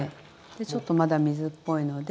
でちょっとまだ水っぽいので。